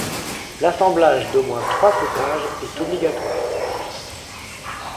L’assemblage d’au moins trois cépages est obligatoire.